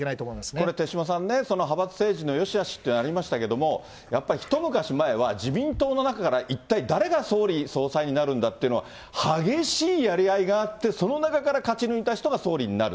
これ手嶋さんね、派閥政治のよしあしというのはありましたけども、やっぱり一昔前は自民党の中から、一体誰が総理総裁になるんだというのは、激しいやり合いがあって、その中から勝ち抜いた人が総理になる。